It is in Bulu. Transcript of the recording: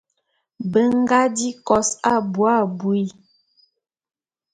Be nga di kos abui abui.